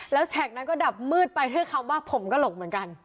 แล้วแท็กนั้นก็ดับมืดไปด้วยคำว่าผมก็หลบเหมือนกัน